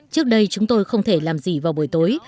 trước đây chúng tôi không thể làm gì vào buổi tối